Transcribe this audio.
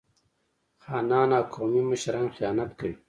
خانان او قومي مشران خیانت کوي.